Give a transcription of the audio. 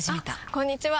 あこんにちは！